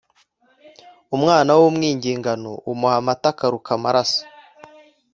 Umwana w’umwingingano umuha amata akaruka amaraso.